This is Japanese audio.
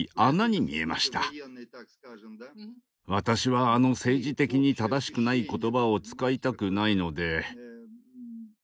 私はあの政治的に正しくない言葉を使いたくないので。